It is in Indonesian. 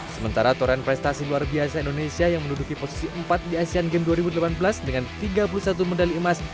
sementara toren prestasi luar biasa indonesia yang menduduki posisi empat di asean games dua ribu delapan belas dengan tiga puluh satu medali emas